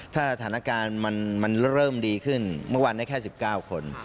ถ้าสถานการณ์มันเริ่มดีขึ้นเมื่อวานได้แค่๑๙คน